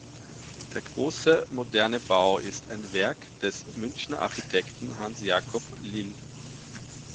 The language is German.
Der große, moderne Bau ist ein Werk des Münchner Architekten Hansjakob Lill.